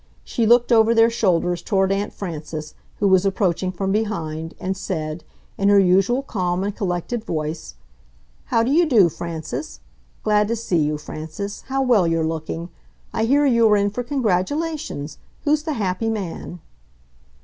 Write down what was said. She looked over their shoulders toward Aunt Frances, who was approaching from behind, and said, in her usual calm and collected voice: "How do you do, Frances? Glad to see you, Frances. How well you're looking! I hear you are in for congratulations. Who's the happy man?"